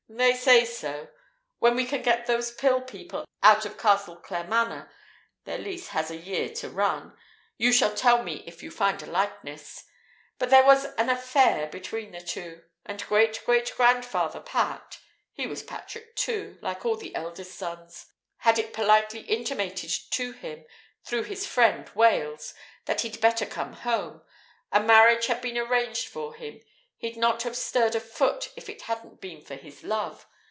"They say so. When we can get those Pill people out of Castle Claremanagh (their lease has a year to run) you shall tell me if you find a likeness. There was an 'affair' between the two; and great great grandfather Pat (he was Patrick, too, like all the eldest sons) had it politely intimated to him, through his friend Wales, that he'd better come home a marriage had been arranged for him. He'd not have stirred a foot if it hadn't been for his Love.